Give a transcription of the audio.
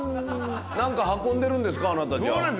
何か運んでるんですか？